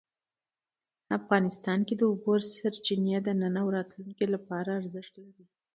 افغانستان کې د اوبو سرچینې د نن او راتلونکي لپاره ارزښت لري.